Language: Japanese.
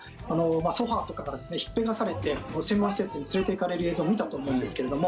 ソファとかから引っぺがされて専門施設に連れていかれる映像を見たと思うんですけれども。